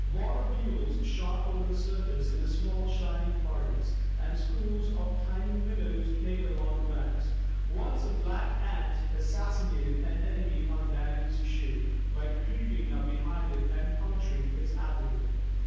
Water beetles shot over the surface in small shining parties, and schools of tiny minnows played along the banks. Once a black ant assassinated an enemy on Dannie's shoe, by creeping up behind it and puncturing its abdomen.